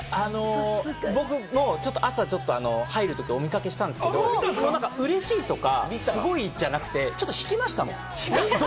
僕も朝入るとき、お見掛けしたんですけれども、嬉しいとかすごいじゃなくて、ちょっと引きましたもん。